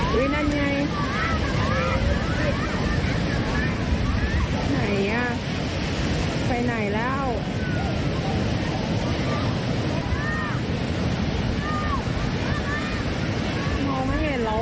ช่วยได้ยังนะ